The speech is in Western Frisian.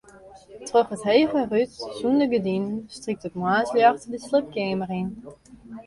Troch it hege rút sûnder gerdinen strykt it moarnsljocht de sliepkeamer yn.